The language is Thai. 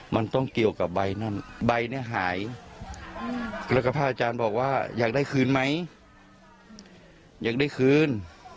มันต้องเกี่ยวกับใบนั่นใบเนี่ยหายแล้วก็พระอาจารย์บอกว่าอยากได้คืนไหมอยากได้คืน